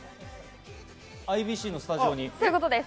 ＩＢＣのスタジオに。